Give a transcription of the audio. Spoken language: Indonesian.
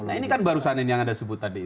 nah ini kan barusan ini yang anda sebut tadi